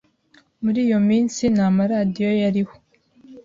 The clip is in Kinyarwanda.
Muri iyo minsi, nta maradiyo yariho.